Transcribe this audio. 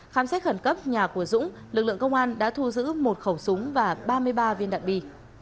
khám xét khẩn cấp nhà của dũng lực lượng công an đã thu giữ một khẩu súng và ba mươi ba viên đạn bi